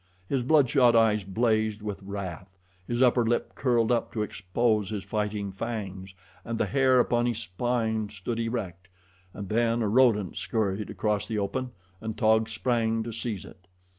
His bloodshot eyes blazed with wrath, his upper lip curled up to expose his fighting fangs, and the hair upon his spine stood erect, and then a rodent scurried across the open and Taug sprang to seize it.